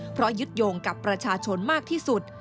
เพราะยึดโยงกับประชาชนมากที่สุด